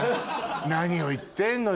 何を言ってんのよ。